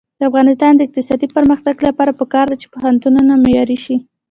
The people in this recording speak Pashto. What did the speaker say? د افغانستان د اقتصادي پرمختګ لپاره پکار ده چې پوهنتونونه معیاري شي.